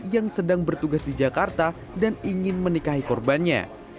yang sedang bertugas di jakarta dan ingin menikahi korbannya